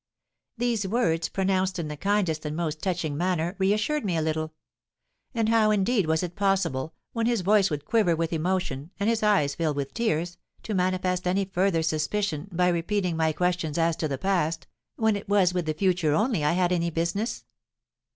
These words, pronounced in the kindest and most touching manner, reassured me a little. And how, indeed, was it possible, when his voice would quiver with emotion, and his eyes fill with tears, to manifest any further suspicion, by repeating my questions as to the past, when it was with the future only I had any business?